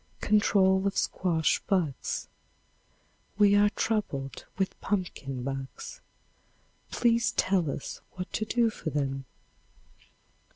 Control of Squash Bugs. We are troubled with pumpkin bugs. Please tell us what to do for them.